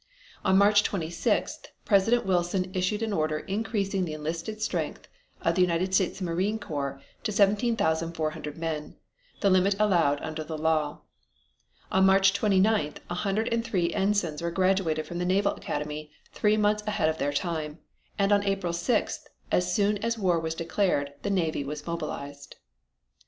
On March 26th President Wilson issued an order increasing the enlisted strength of the United States Marine Corps to 17,400 men, the limit allowed under the law. On March 29th a hundred and three ensigns were graduated from the Naval Academy three months ahead of their time, and on April 6th, as soon as war was declared, the Navy was mobilized.